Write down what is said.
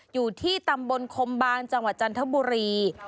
อยู่ที่ตำบลคมบางจังหวัดจันทบุรี